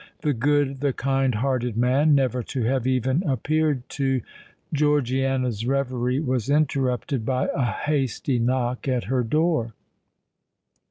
The good—the kind hearted man—never to have even appeared to——" Georgiana's reverie was interrupted by a hasty knock at her door.